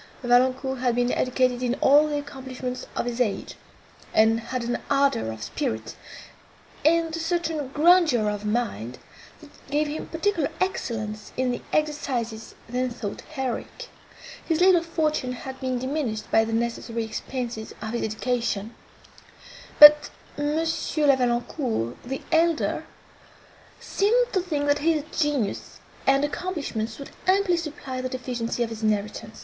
Valancourt had been educated in all the accomplishments of his age, and had an ardour of spirit, and a certain grandeur of mind, that gave him particular excellence in the exercises then thought heroic. His little fortune had been diminished by the necessary expences of his education; but M. La Valancourt, the elder, seemed to think that his genius and accomplishments would amply supply the deficiency of his inheritance.